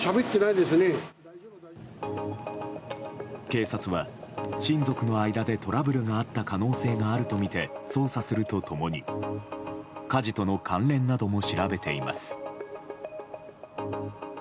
警察は親族の間でトラブルがあった可能性があるとみて捜査すると共に火事との関連なども調べています。